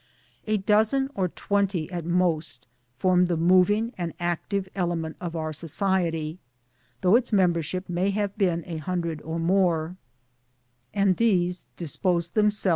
A dozen or twenty at most formed the moving and active element of our society though its membership may have been a hundred or more ; and these disposed themselves